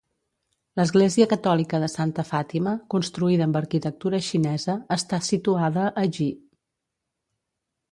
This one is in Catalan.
L'església catòlica de Santa Fàtima, construïda amb arquitectura xinesa, està situada a JI.